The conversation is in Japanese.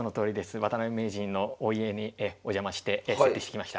渡辺名人のお家にお邪魔して設定してきました。